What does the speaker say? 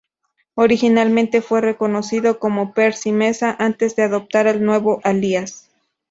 Originalmente, fue conocido como Percy Meza antes de adoptar el nuevo alias.